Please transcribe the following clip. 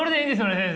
先生。